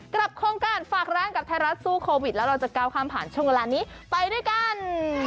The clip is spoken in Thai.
โครงการฝากร้านกับไทยรัฐสู้โควิดแล้วเราจะก้าวข้ามผ่านช่วงเวลานี้ไปด้วยกัน